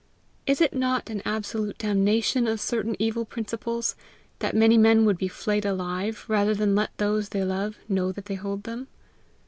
Is it not an absolute damnation of certain evil principles, that many men would be flayed alive rather than let those they love know that they hold them?